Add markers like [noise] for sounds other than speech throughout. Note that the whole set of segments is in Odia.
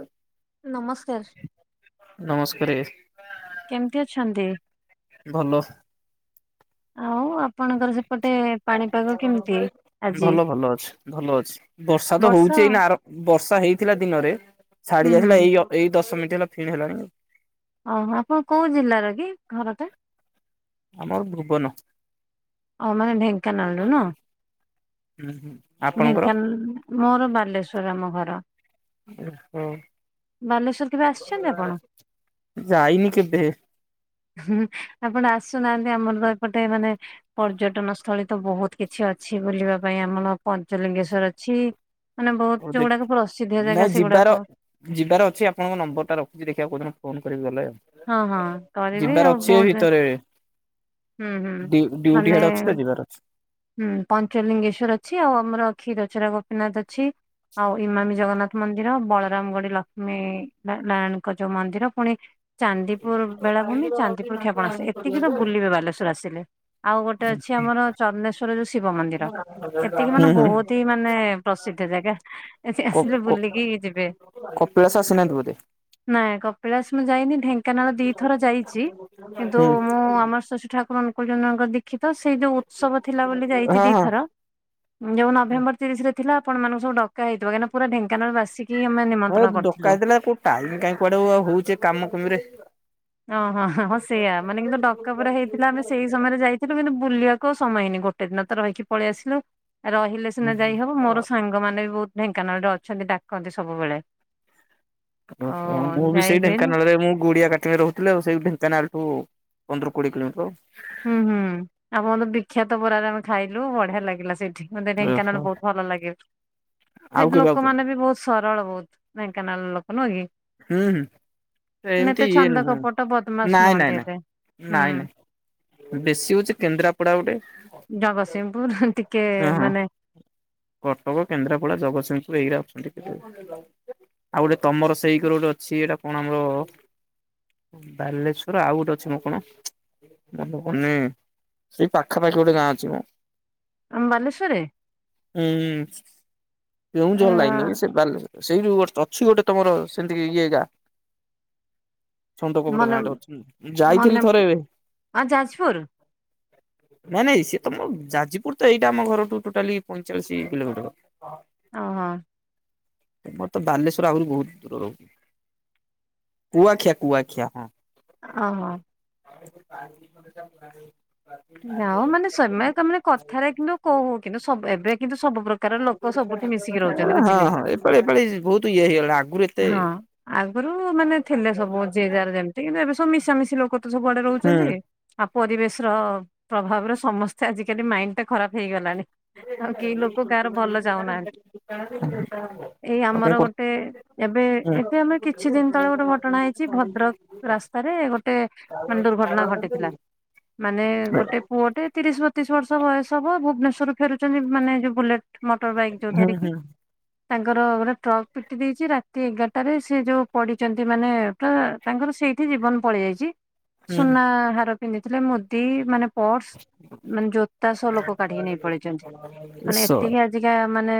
ହୁଁ। ନମସ୍କାର। ନମସ୍କାରରେ। କେମିତି ଅଛନ୍ତି? ଭଲ। ଆଉ ଆପଣଙ୍କର ସେପଟେ ପାଣିପାଗ କେମିତି ଆଜି? ଭଲ ଭଲ ଅଛି ଭଲ ଅଛି ବର୍ଷା ତ ହଉଚି ଏଇନା ଆର ବର୍ଷା ହେଇଥିଲା ଦିନରେ ହୁଁ ଛାଡି ହୁଁ ଯାଇଥିଲା ଏଇ ଏଇ ଦଶ ମିନିଟ୍ ହେଲା ଫେଣି ହେଲାଣି। ଓ ହୋ ଆପଣ କୋଉ ଜିଲ୍ଲାର କି ଘରଟା? ଆମର ଭୁବନ। ଆଉ ମାନେ ଢେଙ୍କାନାଳରୁ ନା ହୁଁ ହୁଁ ଆପଣଙ୍କର? ଢେଙ୍କାନାଳ ମୋର ବାଲେଶ୍ଵର ଆମ ଘର। ଓହୋ ବାଲେଶ୍ଵର କେବେ ଆସିଛନ୍ତି ଆପଣ? ଯାଇନି କେବେ? ହୁଁ ଆପଣ ଆସୁନାହାନ୍ତି ଆମର ଏପଟେ ମାନେ ପର୍ଯ୍ୟଟନ ସ୍ଥଳୀ ତ ବହୁତ କିଛି ଅଛି ବୁଲିବା ପାଇଁ ଆମର ପଞ୍ଚଲିଙ୍ଗେଶ୍ଵର ଅଛି। ମାନେ ହଉ ବହୁତ ଦେଖ ଯୋଉଗୁଡାକ ପ୍ରସିଦ୍ଧ ନାଇଁ ଜାଗା ଯିବାର ସେଗୁଡାକ। ଯିବାର ଅଛି ଆପଣଙ୍କ ନମ୍ବର ଟା ରଖିଛି ଦେଖିବାକୁ କୋଉଦିନ ଫୋନ କରିବି ଗଲେ ହଁ ହଁ ଆଉ। କରିବି ଯିବାର ଆଉ ଅଛି ଏଇ ବହୁତ ଭିତରେ। ହୁଁ ହୁଁ ଡ୍ୟୁଟି ହେଆଡେ ଅଛି ମାନେ ତ ଯିବାର ଅଛି। ହୁଁ ପଞ୍ଚଲିଙ୍ଗେଶ୍ଵର ଅଛି ଆଉ ଆମର କ୍ଷୀରଚୋରା ଗୋପୀନାଥ ଅଛି। ଆଉ ଇମାମୀ ଜଗନ୍ନାଥ ମନ୍ଦିର ବଳରାମ ଗଡି ଲକ୍ଷ୍ମୀ ନାରାୟଣଙ୍କ ଯୋଉ ମନ୍ଦିର ପୁଣି ଚାନ୍ଦିପୁର ବେଳାଭୂମି ଚାନ୍ଦିପୁର କ୍ଷେପଣାସେ ଏତିକି ତ ବୁଲିବେ ବାଲେଶ୍ଵର ଆସିଲେ। ଆଉ ଗୋଟେ ଅଛି ଆମର ଚନ୍ଦନେଶ୍ଵର ଯୋଉ ଶିବ ମନ୍ଦିର। ଏତିକି ହୁଁ ମାନେ ହୁଁ ବହୁତ ହିଁ ମାନେ ପ୍ରସିଦ୍ଧ ଜାଗା। ଏଠି କ ଆସିଲେ କ ବୁଲିକି ଯିବେ। [unintelligible] ନାଇଁ କପିଳାସ ମୁଁ ଯାଇନି ଢେଙ୍କାନାଳ ଦିଥର ଯାଇଛି। କିନ୍ତୁ ହୁଁ ମୁଁ ଆମର ଶଶୀ ଠାରଙ୍କଚନଙ୍କ ଦି ବୋଲି ଯାଇଛି ହଁ ହଁ। ଦିଥର। ଯୋଉ ନଭେମ୍ବର ତିରିଶରେ ଥିଲା ଆପଣ ମାନଙ୍କୁ ସବୁ ଡକା ହେଇଥିବ କାହିଁକିନା ପୁରା ଢେଙ୍କାନାଳ ବାସିକି। କି ଆମେ ହଁ ନିମନ୍ତ୍ରଣ ଡକା କରିଥିଲୁ। ହେଇଥିଲା କୋଉ ଟାଇମ କାଇହିଁ କୁଆଡେ ଆଉ କାମ କୁମିରେ। ଓହୋ ହଁ ହଁ ସେଇୟା ମାନେ କିନ୍ତୁ ଡକା ପୁରା ହେଇଥିଲା ଆମେ ସେଇ ସମୟରେ ଯାଇଥିଲୁ କିନ୍ତୁ ବୁଲିବାକୁ ଆଉ ସମୟନି ଗୋ ସେଦିନ ତ ରହିକି ପଳେଇ ଆସିଲୁ ରହିଲେ। ସିନା ଯାଇ ହବ ମୋର ସାଙ୍ଗମାନେ ବି ବହୁତ ଢେଙ୍କାନାଳ ରେ ଅଛନ୍ତି ଡାକନ୍ତି ସବୁବେଳେ। ଓହ ଆଉ ମୁଁ ବି ଯାଇ ସେଇ ହୁଏନି ଢେଙ୍କାନାଳରେ ମୁଁ ଗୁଡିଆ କାଟେଣୀ ରହୁଛି। ହାଲୋ ସେଇ ଢେଙ୍କାନାଳୁ ପନ୍ଦର କୋଡିଏ କିଲୋମିଟର। ହୁଁ ହୁଁ ଆପଣତ ତୁ ବିଖ୍ୟାତ ବରାରେ ଆମେ ଖାଇଲୁ ବଢିଆ ଲାଗିଲା ସେଇଠି। ମୋତେ ଓହୋ। ଢେଙ୍କାନାଳ ବହୁତ ଭଲ ଲାଗେ ଆଉ ସେଠି କେବେ ଆଉଛନ୍ତି ଲୋକମାନେ ବି ବହୁତ। ସରଳ ବହୁତ ଢ଼େଙ୍କାନାଳ ଲୋକ ନୁହଁ କି? ହୁଁ ହୁଁ ମାନେ ଏତେ ଏମିତି ଇଏ ଛନ୍ଦ ନୁୁହୁଁ କପଟ ବଦମାସ ନାଇଁ ନୁହନ୍ତି ନାଇଁ ନାଇଁ ଏତେ ହୁଁ। ନାଇଁ ନାଇଁ। ବେଶୀ ହଉଛି କେନ୍ଦ୍ରାପଡା ଗୁଟେ। ଜଗତସିଂହପୁର ଟିକେ ମାନେ। କଟକ କେନ୍ଦ୍ରାପଡ଼ା ଜଗତସିଂହପୁର ଏଇରା ଅଛନ୍ତି କେତେ ଆଉ ଗୁଟେ ତମର ସେଇକରେ ଗୁଟେ ଅଛି ଏଇଟା କଣ ଆମର। ବାଲେଶ୍ଵର ଆଉ ଗୋଟେ ଅଛି ମଁ କଣ ମ ମନେ ପଡୁନି। ସେଇ ପାଖାପାଖି ଗୋଟେ ଗାଁ ଅଛି ମ। ଆମ ବାଲେଶ୍ଵରରେ ହୁଁ ଉଁ ଅ କେଉଁଝର ଲାଇନି ସେ ବା ସେଇ ଯଉ ଜଷ୍ଟ ଅଛି ଗୋଟେ ତମର ସେମିତି ଇଏ ଗା। ଛନ୍ଦ କପଟ ମନେ ଗାଁଟେ ଅଛି ଯାଇଥିଲି ମନେ ଥରେ ଏବେ। ଆ ଯାଜପୁର [inaudible] ନାଇଁ ନାଇଁ ସିଏତମ ଯାଜପୁର ତ ଏଇଟା ଆମ ଘରଠୁ ଟୋଟାଲି ପଇଁଚାଳିଶ କିଲୋମିଟର। ଓହୋ। ତମର ତ ବାଲେଶ୍ଵର ଆହୁରି ବହୁତ। ର କୁଆଖିଆ କୁଆଖିଆ ହଁ। ଓହୋ। କ [inaudible] ନାଉ ମାନେ ସେମାନେ ତାମାନେ କଥାରେ କିନ୍ତୁ କହୁ କିନ୍ତୁ ଏବେ କିନ୍ତୁ ସବୁ ପ୍ରକାର ଲୋକ ଲୋକ ସବୁଠି ମିଶିକି ହଁ ରହୁଛନ୍ତି ବୁଝିଲେ ହଁ ଏପାଳି ଏପାଳି ବହୁତ ଇଏ ହେଇଗଲା ଆଗରୁ ଏତେ ହଁ ଆଗରୁ ମାନେ ଥିଲେ ସବୁ ଯେ ଯାର ଯେମିତି କିନ୍ତୁ ଏବେ ସବୁ ମିଶାମିଶି ଲୋକ ତ ସବୁଆଡେ ହୁଁ ରହୁଛନ୍ତି ଆଉ ପରିବେଶ ର ପ୍ରଭାବରେ ସମସ୍ତେ ଆଜିକାଲି ମାଇଣ୍ଡ ଟା ଖରାପ ହେଇଗଲାଣି। ଆଉ କେହି ଲୋକ କାହାର ଭଲ ଚାହୁଁନାହାନ୍ତି ଏଇ ଆଉ କଣ ଆମର କରୁ ଗୋଟେ ଏବେ ହୁଁ ଏବେ ଆମର କିଛି ଦିନ ତଳେ ଗୋଟେ ଘଟଣା ହେଇଛି ଭଦ୍ରକ ରାସ୍ତାରେ ଗୋଟେ ମାନେ ଦୁର୍ଘଟଣା ଘଟିଥିଲା ମାନେ ହୁଁ ଗୋ ଟେ ପୁଅଟେ ତିରିଶ ବତିଶ ବର୍ଷ ବୟସ ହବ ଭୁବନେଶ୍ୱରରୁ ଫେରୁଛନ୍ତି ମାନେ ଯୋଉ ବୁଲେଟ ମଟର ବାଇକ୍ ଯୋଉ ଧର କି। ହୁଁ ତାଙ୍କର ଗୋଟେ ଟ୍ରକ୍ ପିଟି ଦେଇଚି ରାତି ଏଗାରଟାରେ ସେ ଯୋଉ ପଡିଛନ୍ତି ମାନେ ପୁରା। ତାଙ୍କର ସେଇଠି ଜୀବନ ପଳେଇ ଯାଇଚି ସୁନା ହୁଁ ହାର ପିନ୍ଧିଥିଲେ ମୁଦି ମାନେ ପର୍ସ ମାନେ ଜୋତା ସହ ଲୋକ କାଢିକି ନେଇ ପଳେଇଛନ୍ତି ମାନେ ଶଳା ଏତିକି ଆଜିକା ମାନେ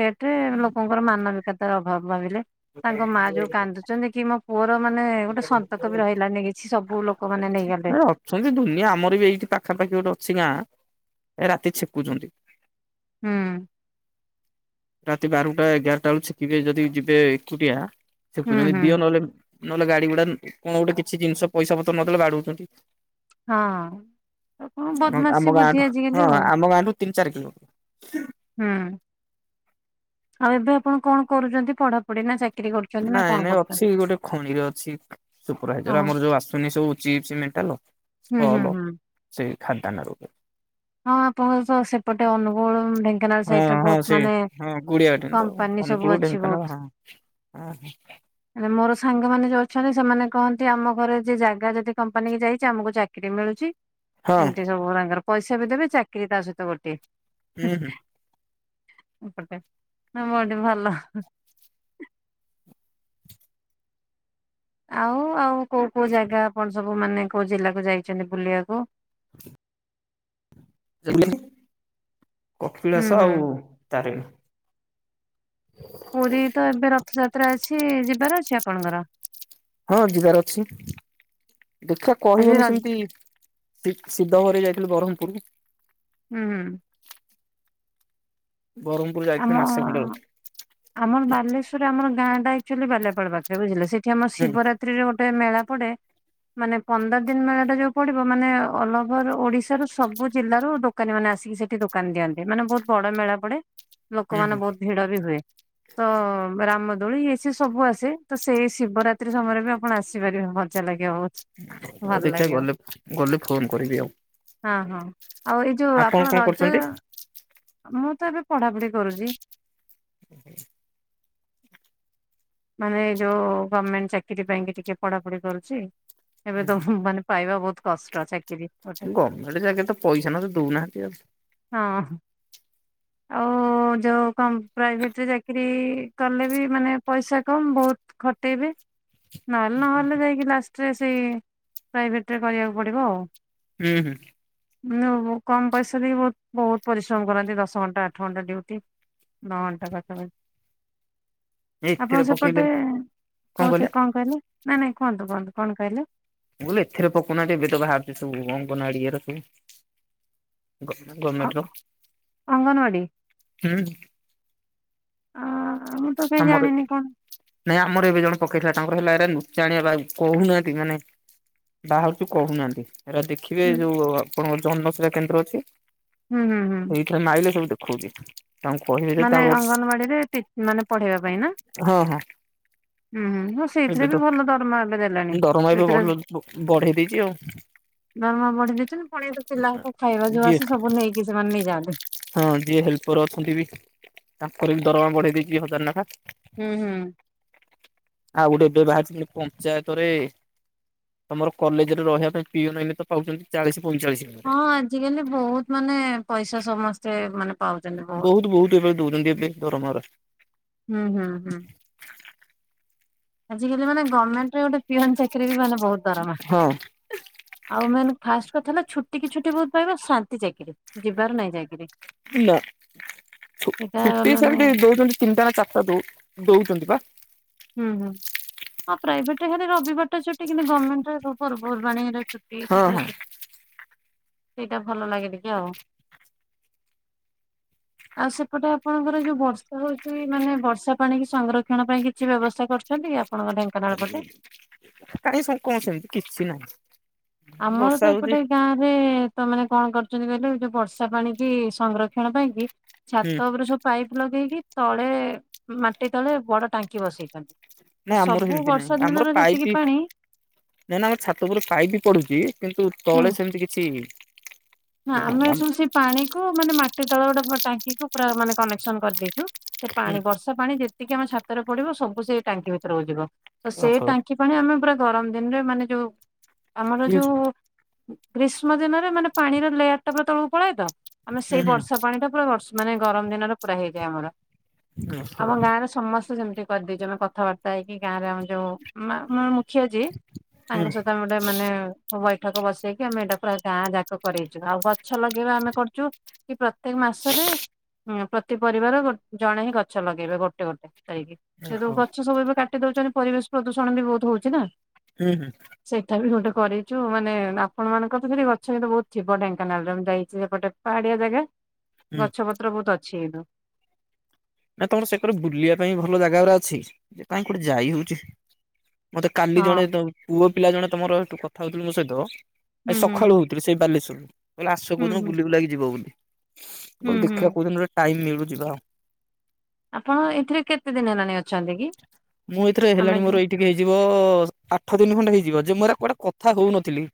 ଡେଟରେ ଲୋକଙ୍କର ମାନବିକତାର ଅଭାବ ଭାବିଲେ ତାଙ୍କ ମା ଯୋଉ କାନ୍ଦୁ ଛନ୍ତି କି ମୋ ପୁଅର ମାନେ ଗୋଟେ ସନ୍ତକବି ରହିଲାନି କିଛି ସବୁ ଲୋକ ମାନେ ନେଇଗଲେ। ଛନ୍ତି ଦୁନିଆ ଆମର ବି ଏଇଠି ପାଖାପାଖି ଗୋଟେ ଅଛି ଗାଁ ଏ ରାତି ଛେକୁଛନ୍ତି। ହୁଁ। ରାତି ବାରୁଟା ଏଗାରଟା ବେଳୁ ଛେକିବେ ଯଦି ଯିବେ ଏକୁଟିଆ ହୁଁ ଛେକୁଛନ୍ତି ହୁଁ ଦିଅ ନହେଲେ ନହେଲେ ଗାଡି ଗୁଡା କଣ ଗୁଟେ କିଛି ଜିନିଷ ପଇସା ପତ୍ର ନଦେଲେ ବାଡଉଛନ୍ତି ହଁ। କଣ ଆ ବଦମାସି ଆମ ବୁଦ୍ଧି ଗାଁଠୁ ଆଜିକାଲି ହଁ ଆଉ। ଆମ ଗାଁଠୁ ତିନ ଚାରି କିଲୋ ହୁଁ ଆଉ ଏବେ ଆପଣ କଣ କରୁଛନ୍ତି ପଢାପଢି ନା କରୁଛନ୍ତି ନା କଣ ନାଇଁ ନାଇଁ କରୁଛନ୍ତି? ଅଛି ଗୋଟେ ଖଣିରେ ଅଛି। ହଁ ସୁପରଭାଇଜର ଆମର ଯୋଉ ଆସୁନି ସବୁ ଚିପ୍ସ ମେଣ୍ଟାଲ ହୁଁ ହୁଁ ଷ୍ଟଲ ହୁଁ। ସେଇ ଖାଦାନ ରୂପରେ ହଁ ଆପଣଙ୍କ ତ ସେପଟେ ଅନୁଗୁଳୁ ଢେ ହଁ ହଁ ସେଇ ହଁ କୁଡିଆ ଟନ୍ କମ୍ପାନୀ ସବୁ ଅନୁଗୁଳୁ ଅଛି ବହୁତ। ହଁ ହ ମୋର ସାଙ୍ଗ ମାନେ ଯୋଉ ଅଛନ୍ତି ସେମାନେ କହନ୍ତି ଆମ ଘରେ ଜେ ଜାଗା ଯଦି କମ୍ପାନୀ କି ଯାଇଛି ଆମକୁ ଚା କିରି ମିଳୁଛି। ହଁ ଏମିତି ସବୁ ତାଙ୍କର ପଇସା ବି ଦେବେ ଚାକିରି ତା ସହିତ ଗୋଟିଏ। ହୁଁ ଏପଟେ ନା ବଡି ଭଲ। ଆଉ ଆଉ କୋଉ କୋଉ ଜାଗା ଆପଣ ସବୁ ମାନେ କୋଉ ଜିଲ୍ଲାକୁ ଯାଇଛନ୍ତି ବୁଲିବାକୁ? [inaudible] ହୁଁ କପିଳାସ ହୁଁ ଆଉ ତାରିଣୀ। ପୁରୀ ତ ଏବେ ରଥଯାତ୍ରା ଅଛି ଯିବାର ଅଛି ଆପଣଙ୍କର? ହଁ ଯିବାର ଅଛି ଦେଖିବା ଆଜି କହିହଉନି ର ସେମିତି ଶିଦ୍ଧ ଘରେ ଯାଇଥିଲେ ବ୍ରହ୍ମପୁର। ହୁଁ। ବ୍ରହ୍ମପୁର ଆମ ଯାଇଥିଲି ମାସେ ଖଣ୍ଡେ ରହିଥିଲି। ଆମର ବାଲେଶ୍ୱରରେ ଆମ ଗାଁ ଟା ଆକ୍ଚୁଆଲି ବାଲିଆ ପାଳ ପାଖରେ ବୁଝିଲେ ସେଠି ଆମର ହୁଁ ଶିବରାତ୍ରି ରେ ଗୋଟେ ମେଳା ପଡେ ମାନେ ପନ୍ଦର ଦିନ ମେଳା ଟା ଯୋଉ ପଡିବ ମାନେ ଅଲଓଭର ଓଡିଶା ସବୁ ଜିଲ୍ଲାରୁ ଦୋକାନୀ ମାନେ ଆସିକି ସେଠି ଦୋକାନ ଦିଅନ୍ତି ମାନେ ବହୁତ ବଡ ମେଳା ପଡେ ହୁଁ ହୁଁ ଲୋକମାନେ ବହୁତ ଭିଡ ବି ହୁଏ। ତ ରାମଦୋଳି ଏଇ ସିଏ ସବୁ ଆସେ ତ ସେଇ ଶିବରାତ୍ରି ସମୟରେ ବି ଆପଣ ଆସିପାରିବେ ମଜା ଲାଗେ ବହୁତ। ହଉ ଭଲ ଦେଖିବା ଲାଗିବ ଗଲେ ଗଲେ ଫୋନ କରିବି ଆଉ। ହଁ ହଁ ଆଉ ଏଇ ଯୋଉ ଆପଣ କଣ ରଜ କରୁଛନ୍ତି? ମୁଁ ତ ଏବେ ପଢାପଢି କରୁଛି। [inaudible] ମାନେ ଏଇ ଯୋଉ ଗଭର୍ଣମେଣ୍ଟ ଚାକିରୀ ପାଇଁ ଟିକେ ପଢାପଢି କରୁଛି ଏବେ ତ ମାନେ ପାଇବା ବହୁତ କଷ୍ଟ ଚାକିରି ଗୋଟେ ଗଭର୍ଣ୍ଣମେଣ୍ଟ ଜାଗା ତ ପଇସା ନ ତ ଦଉନାହାନ୍ତି ଆଉ। ହଁ। ଆଉ ଯୋଉ ପ୍ରାଇଭେଟରେ ଚାକିରୀ କଲେ ବି ମାନେ ପଇସା କମ ବହୁତ ଖଟେଇବେ। ନହେଲେ ନହେଲେ ଯାଇକି ଲାଷ୍ଟରେ ସେଇ ପ୍ରାଇଭେଟ୍ରରେ କରିବାକୁ ପଡ଼ିବ ଆଉ। ହୁଁ ହୁଁ। କମ ପଇସା ଦେଇ ବହୁତ ପରିଶ୍ରମ କରନ୍ତି ଦଶ ଘଣ୍ଟା ଆଠ ଘଣ୍ଟା ଡିଉଟି। ନଅ ଘଣ୍ଟା ପାଖାପାଖି। ଆପଣ ଏଥିରେ ସେପଟେ ପକେଇଲେନି କହୁଛ କଣ କହିଲେ ନାଇଁ ନାଇଁ କୁହନ୍ତୁ କୁହନ୍ତୁ କଣ କହିଲେ? ମୁଁ କହିଲି ଏଥରେ ପକାଉ ନାହାନ୍ତି ଏବେ ତ ବାହାରୁଛି ସବୁ ଅଙ୍କନବାଡି ସବୁ ଅ ଗର୍ମେଣ୍ଟର ଅଙ୍ଗନବାଡି ହୁଁ। ଆ ମୁଁ ତ କାହିଁ ଆମର ଜାଣିନି କଣ ନାଇଁ ଆମର ଏବେ ଜଣ ପକେଇଥିଲା ତାଙ୍କର ହେଲା ଏନୁଚାଣିଆ ବା କହୁନାହାନ୍ତି ମାନେ ବାହାରୁଛି କହୁନାହାନ୍ତି ଏରା ଦେଖିବେ ହୁଁ ଯୋଉ ଆପଣଙ୍କ ଜନସେବା କେନ୍ଦ୍ର ଅଛି ହୁଁ ହୁଁ ହୁଁ। ସେଇଥିରେ ମାଇଲେ ସବୁ ଦେଖଉଛି। ତାଙ୍କୁ କହିବେ ଯଦି ମାନେ ତାଙ୍କର ଗୋଟେ ଅଙ୍ଗନବାଡିରେ ମାନେ ପଢେଇବା ପାଇଁ ନା। ହଁ ହଁ ହୁଁ ହୁଁ ହଁ ସେଇଥିରେ ଏବେ ତ ବି ଭଲ ଦରମା ହେଲେ ଦେଲାଣି ଦରମା ଏବେ ବଢ ସେଥିରେ ବଢେଇ ଦେଇଛି ଆଉ ଦରମା ବଢି ଦେଇଛନ୍ତି ପଣିଆ ତ ପିଲାଙ୍କ ଖାଇବା ଯୋଉ ଯିଏ ଆସ ସବୁ ନେଇକି ସେମାନେ ନେଇଯାଆନ୍ତି। ହଁ ଯିଏ ହେଲ୍ପର ଅଛନ୍ତି ବି ତାଙ୍କର ବି ଦରମା ବଢେଇ ଦେଇଛି ହଜାର ନାଗା। ହୁଁ ହୁଁ। ଆଉ ଗୋଟେ ଏବେ ବାହାରିଥିଲି ପଞ୍ଚାୟତରେ ତମର କଲେଜରେ ରହିବା ପାଇଁ ପିଅନ ଏମିତି ତ ପାଉଛନ୍ତି ଚାଳିଶ ପଇଁଚାଳିଶ ହଜାରେ। ଆଜିିକାଲି ବହୁତ ମାନେ ପଇସା ସମସ୍ ସ୍ତେ ମାନେ ପାଉଛ ବହୁତ ବହୁତ ଏବେ ଦଉଚନ୍ତି ଏବେ ଦରମା ଗୁରା। ହୁଁ ହୁଁ ହୁଁ। ଆଜକାଲି ମାନେ ଗର୍ମେଣ୍ଟରେ ଗୋଟେ ପିଅନ ଚାକିରି ବି ମାନେ ବହୁତ ଦରମା। ହଁ। ଆଉ ମେନ୍ ଫାଷ୍ଟ କଥା ହେଲା ଛୁଟି କି ଛୁଟି ବହୁତ ପାଇବ ଶାନ୍ତି ଚାକିରି। ଯିବାର ନାହିଁ ଚାକିରି। ନା ସେଇଟା ଛୁ-ଛୁଟି ମାନେ ସେମିତି ଦଉଛନ୍ତି ତିନିଟା ନା ଚାରିଟା ଦ-ଦଉଛନ୍ତି ବା। ହୁଁ ହୁଁ ଆଉ ପ୍ରାଇଭେଟ ହେଲେ ରବିବାର ଟା ଛୁଟି କିନ୍ତୁ ଗର୍ମେଣ୍ଟରେ ସବୁ ପର୍ବପର୍ବାଣୀରେ ଛୁ ଟି। ହଁ ସବୁବେଳେ ହଁ ଛୁ ସେଇଟା ଭଲ ଲାଗେ ଟିକେ ଆଉ। ଆଉ ସେପଟେ ଆପଣଙ୍କର ଯୋଉ ବର୍ଷ୍ ଆ ହଉଛି ମାନେ ବର୍ଷା ପାଣି କି ସଂରକ୍ଷଣ ପାଇଁ କିଛି ବ୍ୟବସ୍ଥା କରୁଛନ୍ତି ଆପଣଙ୍କ ଢେଙ୍କାନାଳ ପଟେ? କାହିଁ ସଂ କଣ ସେମିତି କିଛି ନାହିଁ। ଆମର ବର୍ଷା ତ ହଉଛି ଏପଟେ ଗାଁରେ ତା ମାନେ କଣ କରୁଛନ୍ତି କହିଲେ ଯୋଉ ବର୍ଷା ପାଣି କି ସଂରକ୍ଷଣ ପାଇଁ କି ହୁଁ। ଛାତ ଉପରେ ସବ୍ ପାଇପ୍ ଲଗେଇକି ତଳେ ମାଟି ତଳେ ବଡ ଟାଙ୍କି ବସେଇଛନ୍ତି। ତ ନାଇଁ ଆମର ସବୁ ସେମିତି ବର୍ଷା ନାହିଁ। ଆମର ଦିନର ଯେତିକି ପାଇପି ପାଣି ନା ନା ଆମର ଛାତ ଉପୁରୁ ପାଇପି ପଡୁଛି କିନ୍ତୁ ହୁଁ ତଳେ ସେମିତି କିଛି ନା ନାଇଁ ଆମେ ଆମ ସବୁ ସେଇ ପାଣିକୁ ମାନେ ମାଟି ତଳେ ଗୋଟେ ଭ ଟାଙ୍କିକୁ ପୁରା ମାନେ କନେକ୍ସନ କରିଦେଇଛୁ। ସେ ପାଣି ବର୍ଷା ପାଣି ଯେତିକି ଆମ ଛାତରେ ପଡିବ ସବୁ ସେଇ ଟାଙ୍କି ଭିତୁରୁକୁ ଯିବ। ତ ସେଇ ଓହୋ ଟାଙ୍କି ପାଣି ଆମେ ପୁରା ଗରମ ଦିନରେ ମାନେ ଯୋଉ ଆମର ହୁଁ ଯୋଉ ଉ ଗ୍ରୀଷ୍ମ ଦିନରେ ମାନେ ପାଣିର ଲେୟାରଟା ପୁରା ତଳୁକୁ ପଳାଏ ତ ଆମେ ସେଇ ହୁଁ ବର୍ଷା ପାଣିଟା ପୁରା ବର୍ଷ୍ ମାନେ ଗରମ ଦିନରେ ପୁରା ହେଇଯାଏ ଆମର। ଓହୋ ଆମ ଗାଁରେ ସମସ୍ତେ ସେମିତି କରିଦେଇଛୁ ଆମେ କଥାବାର୍ତ୍ତା ହେଇକି ଗାଁରେ ଆମର ଯୋଉ ମା-ମା-ମୁ ଖିଆ ଯିଏ ତାଙ୍କ ହୁଁ ସହିତ ଆମେ ଗୋଟେ ମାନେ ବୈଠକ ବସେଇକି ଆମେ ଏଇଟା ପୁରା ଗାଁ ଯା କ-କରେଇଛୁ। ଆଉ ଗଛ ଲଗେଇବା ଆମେ କରିଛୁ କି ପ୍ରତ୍ୟେକ ମାସରେ ପ୍ର ତି ପରିବାର ଗୋ ଜଣେ ହିଁ ଗଛ ଲଗେଇବେ ଗୋଟେ ଗୋଟେ ଯାଇକି। ଏ ଯୋଉ ଓହୋ ଗଛ ସବୁ ଏବେ କା ଟି ଦଉଛନ୍ତି ପରିବେଶ ପ୍ରଦୂଷଣ ବି ବହୁତ ହଉଛି ନା। ହୁଁ ହୁଁ। ସେଇଟା ବି ଗୋଟେ କରେଇଚୁ। ମାନେ ଆପଣ ମାନଙ୍କର ତ ସେଇଠି ଗଛ [unintelligible] ବହୁତ ଥିବ ଢେଙ୍କାନାଳରେ ମୁଁ ଯାଇଛି ସେପଟେ ପାହାଡିଆ ଜାଗା। ହୁଁ। ଗଛ ପତ୍ର ବହୁତ ଅଛି କିନ୍ତୁ। ନାଇଁ ତମର ସେକରେ ବୁଲିଆ ପାଇଁ ଭଲ ଜାଗା ଗୁରା ଅଛି ଯେ କାଇଁ କୋଉଠି ଯାଇ ହଉଛି। ମତେ କାଲି ଜଣେ ହଁ। ତ ପୁଅ ପିଲା ଜଣେ ତମର ସେଇଠୁ କଥା ହଉଥିଲୁ ମୋ ସହିତ ହୁଁ ଆଜି ହୁଁ ସଖାଳୁ ହଉ ସେ ବି ସେଇ ବାଲେଶ୍ୱରରୁ। ମୁଁ କହିଲି ଆସ ହୁଁ କୋଉଦିନ ହୁଁ ବୁଲି ବୁଲାକି ଯିବ ବୋଲି। ମୁଁ ହୁଁ କହିଲି ହୁଁ ଦେଖିବା କୋଉଦିନ ଗୋଟେ ଟାଇମ୍ ମିଳୁ ଯିବା ଆଉ। ଆପଣ ଏଥିରେ କେତେ ଦିନ ହେଲାଣି ଅଛନ୍ତି କି? ଆମେ ଯୋଉ ଠିକ୍ ହେଇଯିବ ଆଠ ଦିନ୍ ଖଣ୍ଡେ ହେଇଯିବ ଯେ ମୁଁ ଏଗୁରା କୁଆଡେ କଥା ହଉନଥିଲି।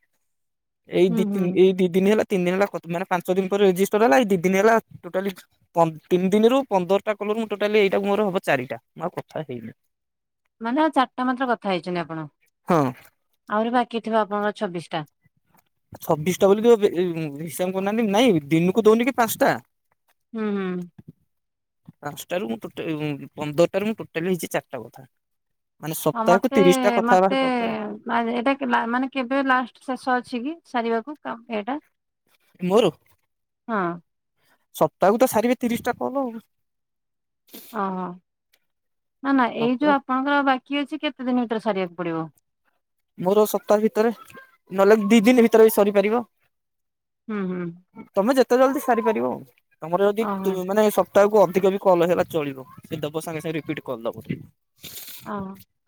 ଏଇ ହୁଁ ଦି ହୁଁ ତିନ୍ ଏଇ ଦି ଦିନି ହେଲା ତିନ୍ ଦିନ ହେଲା କତ୍ ମାନେ ପାଞ୍ଚ ଦିନ ପରେ ରେଜିଷ୍ଟର ହେଲା। ଏଇ ଦି ଦିନି ହେଲା ଟୋଟାଲି ପନ୍ ତିନି ଦିନିରୁ ପନ୍ଦର ଟା କଲରୁ ମୁଁ ଟୋଟାଲି ଏଇଟାକୁ ମୋର ହବ ଚାରିଟା। ମୁଁ ଆଉ କଥା ହେଇନି। ମାନେ ଆଉ ଚାରିଟା ମାତ୍ର କଥା ହେଇଛନ୍ତି ଆପଣ? ହଁ ହଁ। ଆହୁରି ବାକିଥିବ ଆପଣଙ୍କର ଛବିଶ ଟା? ଛବିଶଟା ବୋଲି [unintelligible] ଏଇ ଉଁ ହିସାବ କରୁନାହାଁନ୍ତି। ନାଇଁ ଦିନକୁ ଦଉନି କି ପାଞ୍ଚଟା। ହୁଁ ହୁଁ। ପାଞ୍ଚଟାରୁ ମୁଁ ଟୋଟା ଉଁ ପନ୍ଦରଟାରୁ ମୁଁ ଟୋଟାଲି ହେଇଛି ଚାରିଟା କଥା। ମାନେ ଆଉ ସପ୍ତାହକୁ ମତେ ତିରିଶଟା କଥା ହବା ମତେ ଦରକାର। ମା ଏଇଟା କେ ମା-ମାନେ କେବେ ଲାଷ୍ଟ ଶେଷ ଅଛି କି ସାରିବାକୁ କା ଏଇଟା? ମରୁ ହଁ। ସପ୍ତାହକୁ ତ ସାରିବେ ତିରିଶ ଟା କଲ। ଓ ନା ନା ଏଇ ଯୋଉ ଆପଣଙ୍କର ବାକି ଅଛି କେତେ ଦିନ ଭିତରେ ସାରିବାକୁ ପଡିବ? ମୋର ସପ୍ତାହ ଭିତରେ ନହେଲେ ଦି ଦିନ ଭିତରେ ବି ସରିପାରିବ। ହୁଁ ହୁଁ। ତମେ ଯେତେ ଜଲଦି ସାରିପାରିବ ଆ ତମର ଯଦି ଓହୋ ଗୋଟେ ସପ୍ ତାକୁ ଅଧିକ ବି କଲ୍ ହେଲା ଚଳିବ ସେ ସାଙ୍ଗେ ସାଙ୍ଗେ ରିପିଟ୍ କରିଦବ। ଓ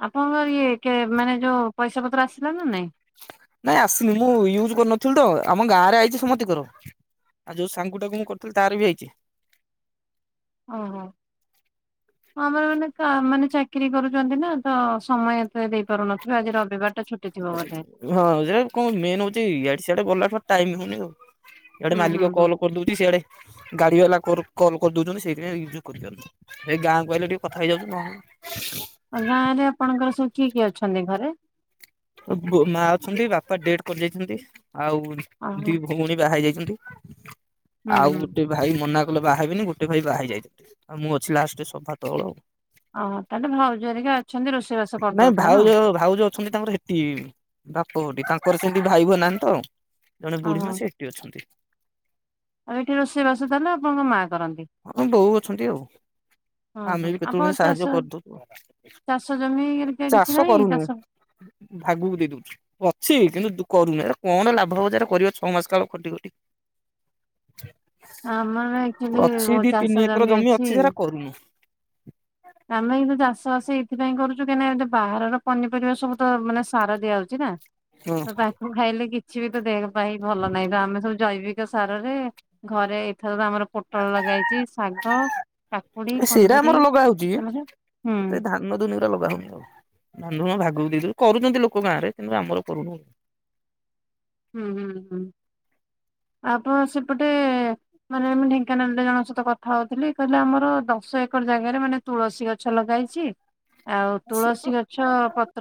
ଆପଣଙ୍କର ଇଏ କେ ମାନେ ଯୋଉ ପଇସା ପତ୍ର ଆସିଲା ନା ନାଇଁ। ନାଇଁ ଆସିଲି ମୁଁ ୟୁଜ କରିନଥିଲୁ ତ ଆମ ଗାଁ ରେ ଆଇଚି ସମସ୍ତଙ୍କର୍। ଯୋଉ ସାଙ୍ଗୁଟାକୁ ମୁଁ କରିଥିଲି ତାର ବି ହେଇଚି। ଓହୋ। ଆମର ମାନେ ମାନେ ଚାକିରୀ କରୁଛନ୍ତି ନା ତ ସମୟ ଏତେ ଦେଇପାରୁନ ଆଜି ରବିବାର ଟା ଛୁଟି ଥିବ ବୋଧେ। ହଁ ସେ କଣ ମେନ୍ ହୋଉଚି ଆଡେ ସିଆଡେ ଗଲା ଟାଇମ ହୋଉନି। ଇଆଡେ ହୁଁ ହୁଁ ମାଲିକ ହୁଁ। କଲ କରିଦୋଉଚି ସିଆଡେ ଗାଡି ବାଲା କଲ କରିଦୋଉଚନ୍ତି ସେଇଥି ୟଜ କରିପାରୁ ଏଇ ଗାଁ ଆଇଲେ ଟିକେ କଥା ହେଇଯାଉଚି ନହେଲେ ନାଇ। ଆ ଗାଁ ରେ ଆପଣଙ୍କର ସବୁ କିଏ କିଏ ଅଛନ୍ତି ଘରେ? ମା ଅଛନ୍ତି ବାପା ଡେଟ କରିଦେଇଚନ୍ତି ଆଉ ଓହୋ ଦି ଭଉଣୀ ବାହା ହେଇ ଯାଇଛନ୍ତି। ହୁଁ ଆଉ ହୁଁ। ଗୋଟେ ଭାଇ ମନା କଲେ ବାହା ହେବିନି ଗୋଟେ ଭାଇ ବାହା ହେଇଚି ଯାଇ ଆଉ ମୁଁ ଅଛି ଲାଷ୍ଟରେ ସଭା ତଳ। ଓହୋ ତାହେଲେ ଭାଉଜ ହରିକ ଅଛନ୍ତି ରୋଷେଇବାସ ନାଇଁ କରିଦୋଉଥିବେ? ଭାଉଜ ଭାଉଜ ଛନ୍ତି ତାଙ୍କର ହେଠି ବାପ ଘଟି ତାଙ୍କର ସେମିତି ଭାଇ ହ ନାହାନ୍ତି ତ ଆ ଜଣେ ବୁଢୀ ଓହୋ। ମା ସେ ଅଛନ୍ତି। ଆଉ ଏଠି ରୋଷେଇ ବାସ ତାହେଲେ ଆପଣଙ୍କ ମା କରନ୍ତି? ବୋଉ ଅଛନ୍ତି ବୋଉ। ଓ ହୋ ଆପଣ ଚାଷ କରିଦଉଛୁ ଚାଷ ଜମିି ହରିକା ଚାଷ କିଛି ନାହିଁ କରୁନୁ ଚାଷ ଭାଗକୁ ଦେଇ ଦୋଉ ଅଛି କିନ୍ତୁ କରୁନି ଏ କଣ ଲାଭ ହବ କରିବ ଛଅ ମାସ କାଳ ଖଟି ଖଟି ଆମର ଆକ୍ଚୁଆଲି ଅଛି ଦି ଚାଷ ତିନି ଏକର ଜମି ଅଛି ଯେ ସେରା କରୁନୁ। ଆମେ କିନ୍ତୁ ଚାଷ ସେଇଥିପାଇଁ କରୁଚୁ କାହିଁକିନା ବାହାରର ପନିପରିବା ସବୁ ତ ମାନେ ସାର ଦିଆ ହୋଉଚି ନା। ହଁ ତ ତାକୁ ଖାଇଲେ କିଛି ବି ତ ଦେହ ପାଇଁ ଭଲ ନାହିଁ ତ ଆମେ ସବୁ ଜୈବିକ ସାରରେ ଘରେ ଏଥର ତ ଆମର ପୋଟଳ ଲଗା ହୋଇଚି, ଶାଗ, କା ଏ ସେରା ଆମର ଲଗା ହୋଉଚି। ଛ ହୁଁ। ଧାନ ଦୁନିରେ ଲଗାହୋଉନି ଆଉ ଧାନ ଭାଗ କୁ ଦେଇଦୋଉଚୁ କରୁଚନ୍ତି ଲୋକ ଗାଁରେ କିନ୍ତୁ ଆମର କରୁନୁ। ହୁଁ ହୁଁ ହୁଁ ଆପଣ ସେପଟେ ମାନେ ମୁ ଢେଙ୍କାନାଳରେ ଜଣଙ୍କ ସହିତ କଥା ହୋଉଥିଲି କହିଲେ ଆମର ଦଶ ଏକର ଜାଗାରେ ମାନେ ତୁଳସୀ ଗଛ ଲଗାଇଚି। ଆଉ ତୁଳସୀ ଗଛ ପତ୍ର